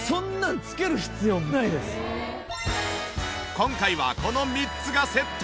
今回はこの３つがセット。